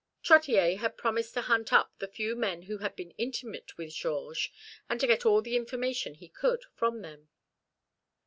Trottier had promised to hunt up the few men who had been intimate with Georges, and to get all the information he could from them.